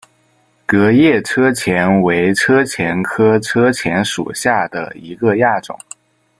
革叶车前为车前科车前属下的一个亚种。